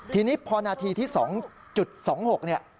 ทีนี้พอนาทีที่๒๒๖เนี่ย